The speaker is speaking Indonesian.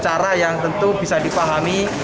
cara yang tentu bisa dipahami